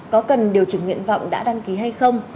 có cần điều chỉnh nguyện vọng đã đăng ký hay không